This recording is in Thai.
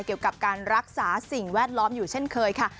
เกี่ยวกับการรักษาสิ่งแวดล้อมอยู่เช่นเคยค่ะ